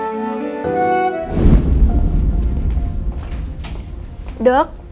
artist kesatuan ini